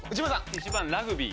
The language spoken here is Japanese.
１番ラグビー。